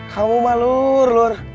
kamu malur lur